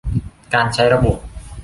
การใช้ระบบ